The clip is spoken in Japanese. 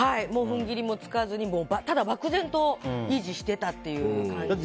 踏ん切りもつかずにただ漠然と維持していたという感じですね。